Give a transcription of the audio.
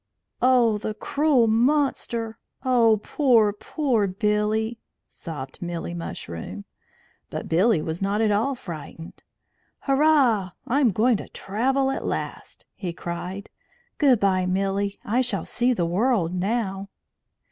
"Oh, the cruel monster! Oh, poor, poor Billy!" sobbed Milly Mushroom. But Billy was not at all frightened. "Hurrah! I am going to travel at last!" he cried. "Good bye, Milly. I shall see the world now."